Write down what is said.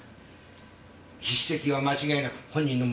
筆跡は間違いなく本人のものだった。